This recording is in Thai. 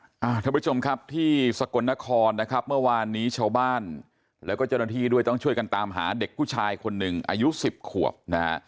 ท่านผู้ชมครับที่สกลนครนะครับเมื่อวานนี้ชาวบ้านแล้วก็เจ้าหน้าที่ด้วยต้องช่วยกันตามหาเด็กผู้ชายคนหนึ่งอายุสิบขวบนะฮะ